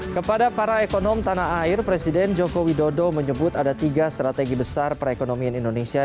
kepada para ekonom tanah air presiden joko widodo menyebut ada tiga strategi besar perekonomian indonesia